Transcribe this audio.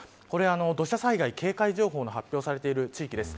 土砂災害警戒情報の発表されている地域です。